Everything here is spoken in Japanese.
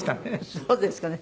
そうですかね。